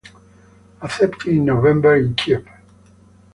Accepted in November in Kyiv.